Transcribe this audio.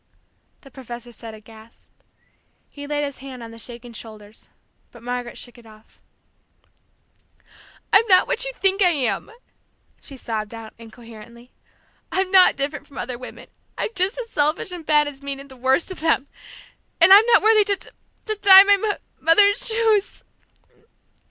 the professor said, aghast. He laid his hand on the shaking shoulders, but Margaret shook it off. "I'm not what you think I am!" she sobbed out, incoherently. "I'm not different from other women; I'm just as selfish and bad and mean as the worst of them! And I'm not worthy to t tie my m mother's shoes!"